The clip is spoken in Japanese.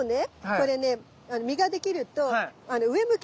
これね実ができると上向きにね開くの。